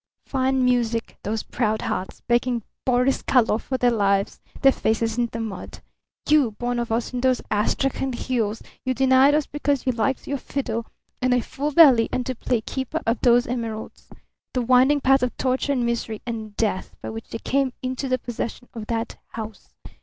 Fine music! Those proud hearts, begging Boris Karlov for their lives their faces in the mud! You, born of us in those Astrakhan Hills, you denied us because you liked your fiddle and a full belly, and to play keeper of those emeralds. The winding paths of torture and misery and death by which they came into the possession of that house!